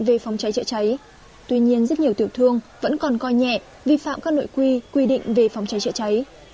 về phòng cháy chữa cháy tuy nhiên rất nhiều tiểu thương vẫn còn coi nhẹ vi phạm các nội quy quy định về phòng cháy chữa cháy